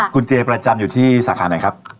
คุณเจประจำอยู่ที่สาขาไหนครับ